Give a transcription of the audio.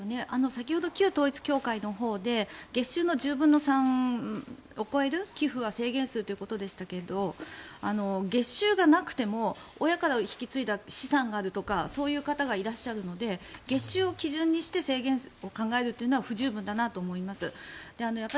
先ほど旧統一教会のほうで月収の１０分の３を超える寄付は制限するということでしたが月収がなくても親から引き継いだ資産があるとかそういう方がいらっしゃるので月収を基準にして制限を考えるのは不十分だと思います。